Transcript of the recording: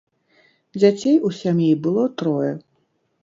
Дзяцей у сям'і было трое.